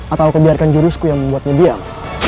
atau aku biarkan jurusku yang membuatnya diam